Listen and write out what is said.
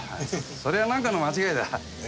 それはなんかの間違いだ。え？